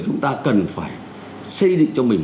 chúng ta cần phải xây định cho mình